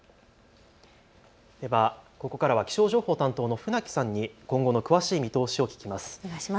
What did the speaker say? ではここからは気象情報担当の船木さんに今後の詳しい見通しを聞きます。